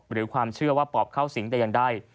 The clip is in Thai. หรือความเชื่อว่าปอบเข้าสิงแต่อย่างใด